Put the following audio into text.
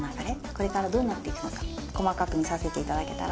これからどうなっていくのか細かく見させていただけたらなと思います。